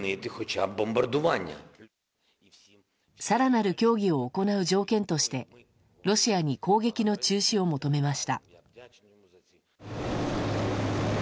更なる協議を行う条件としてロシアに攻撃の中止を求めました。